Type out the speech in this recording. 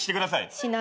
しない。